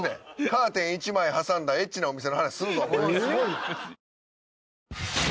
カーテン１枚挟んだエッチなお店の話するぞ。